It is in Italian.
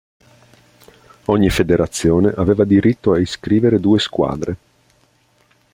Ogni federazione aveva diritto a iscrivere due squadre.